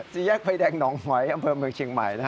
สีแยกใบดแรง